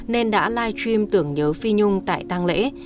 nên đã live stream tưởng nhớ phi nhung tại tăng lễ